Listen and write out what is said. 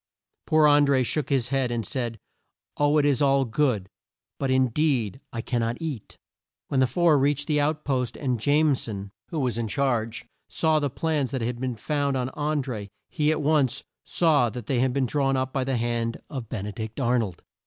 Poor An dré shook his head, and said, "Oh, it is all good, but in deed I can not eat!" When the four reached the out post and Jame son, who was in charge, saw the plans that had been found on An dré, he at once saw that they had been drawn up by the hand of Ben e dict Ar nold.